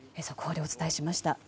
速報でお伝えしました。